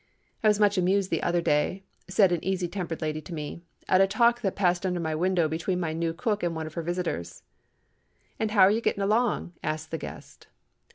"I was much amused the other day," said an easy tempered lady to me, "at a talk that passed under my window between my new cook and one of her visitors. "'And how are ye gitting along?' asked the guest.